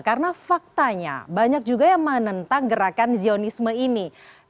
karena faktanya banyak juga yang menentang gerakan zionisme ini